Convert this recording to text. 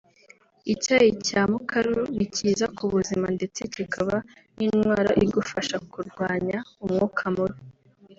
Icyayi cya mukaru ni cyiza ku buzima ndetse cyikaba n’intwaro igufasha kurwanya umwuka mubi